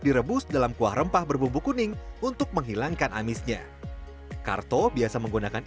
direbus dalam kuah rempah berbumbu kuning untuk menghilangkan amisnya karto biasa menggunakan